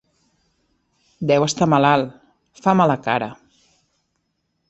Deu estar malalt: fa mala cara.